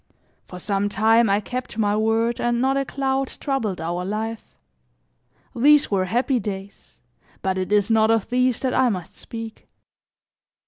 For some time, I kept my word and not a cloud troubled our life. These were happy days, but it is not of these that I must speak.